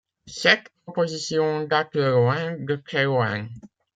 Cette proposition date de loin, de très loin.